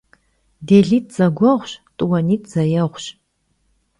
Dêlit' zegueğuş, t'uanit' zeêğuş.